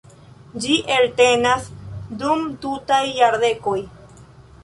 Ĝi eltenas dum tutaj jardekoj.